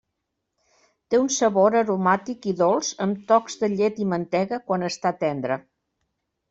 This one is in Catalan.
Té un sabor aromàtic i dolç amb tocs de llet i mantega quan està tendre.